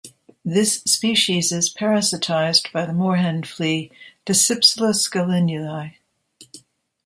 This species is parasitised by the moorhen flea, "Dasypsyllus gallinulae".